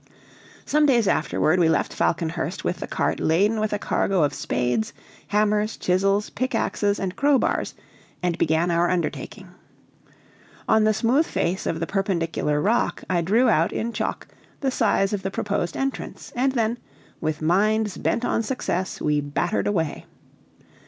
Some days afterward we left Falconhurst with the cart laden with a cargo of spades, hammers, chisels, pickaxes, and crowbars, and began our undertaking. On the smooth face of the perpendicular rock I drew out in chalk the size of the proposed entrance, and then, with minds bent on success, we battered away.